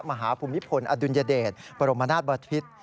มหาพูมญิพลอดุลยเดทพระบรมราชบัตวิทย์